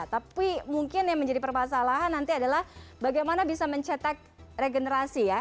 tapi mungkin yang menjadi permasalahan nanti adalah bagaimana bisa mencetak regenerasi ya